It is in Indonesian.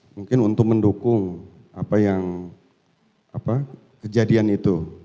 mungkin untuk mendukung apa yang kejadian itu